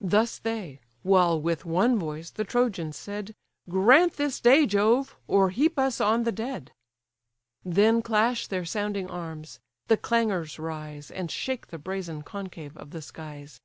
Thus they: while with one voice the Trojans said, "Grant this day, Jove! or heap us on the dead!" Then clash their sounding arms; the clangours rise, And shake the brazen concave of the skies.